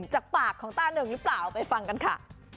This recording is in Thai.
จากปากของตาหนึ่งหรือเปล่าไปฟังกันค่ะ